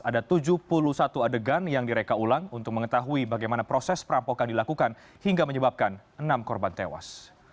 ada tujuh puluh satu adegan yang direka ulang untuk mengetahui bagaimana proses perampokan dilakukan hingga menyebabkan enam korban tewas